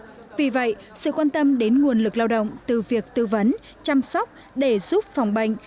vì vậy sự quan tâm đến nguồn lực lao động từ việc tư vấn chăm sóc để giúp phòng bệnh